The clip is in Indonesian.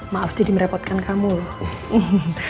maaf jadi merepotkan kamu loh